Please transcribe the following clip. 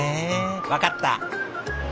分かった！